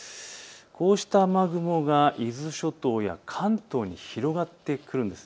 こうした雨雲が伊豆諸島や関東に広がってくるんです。